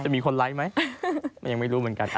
มีคนไลค์ไหมยังไม่รู้เหมือนกัน